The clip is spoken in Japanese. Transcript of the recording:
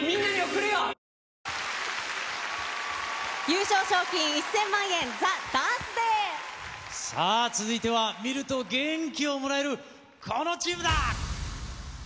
優勝賞金１０００万円、さあ、続いては見ると元気をもらえる、このチームだ。